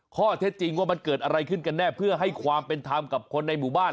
ข้อเท็จจริงว่ามันเกิดอะไรขึ้นกันแน่เพื่อให้ความเป็นธรรมกับคนในหมู่บ้าน